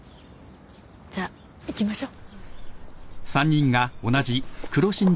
じゃあ行きましょう。